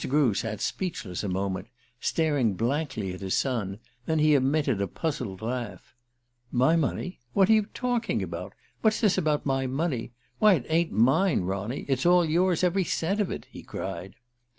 Grew sat speechless a moment, staring blankly at his son; then he emitted a puzzled laugh. "My money? What are you talking about? What's this about my money? Why, it ain't mine, Ronny; it's all yours every cent of it!" he cried.